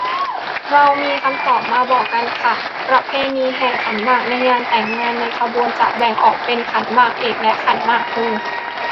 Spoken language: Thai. เรามีคำตอบมาบอกกันค่ะ ประเพณีการแห่ขันหมากในงานแต่งงาน ในขบวนจะแบ่งออกเป็น ขันหมากเอก และ ขันหมากโท